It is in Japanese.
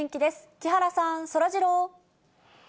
木原さん、そらジロー。